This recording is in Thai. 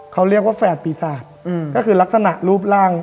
เขาเรียกว่าแฝดปีศาจก็คือลักษณะรูปร่าง